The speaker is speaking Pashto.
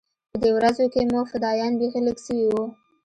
په دې ورځو کښې مو فدايان بيخي لږ سوي وو.